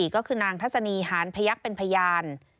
ก็คือนางทัศนีหานพยักษ์เป็นพยาน